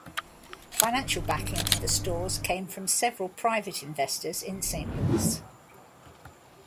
Financial backing for the stores came from several private investors in Saint Louis.